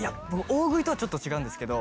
大食いとはちょっと違うんですけど。